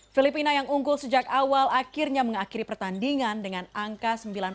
filipina yang unggul sejak awal akhirnya mengakhiri pertandingan dengan angka sembilan puluh